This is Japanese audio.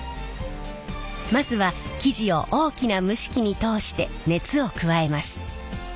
まずは生地を大きな蒸し機に通して熱を加えます。